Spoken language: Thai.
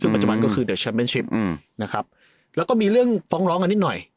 ซึ่งปัจจุบันก็คือนะครับแล้วก็มีเรื่องฟ้องร้องอันนิดหน่อย